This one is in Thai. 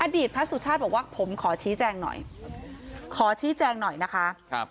พระสุชาติบอกว่าผมขอชี้แจงหน่อยขอชี้แจงหน่อยนะคะครับ